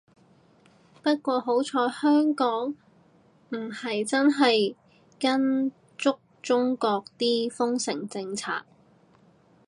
不過好彩香港唔係真係跟足中國啲封城政策